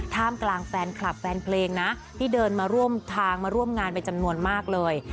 ท่ามกลางแฟนคลับแฟนเพลงนะที่เดินมาร่วมทางมาร่วมงานเป็นจำนวนมากเลย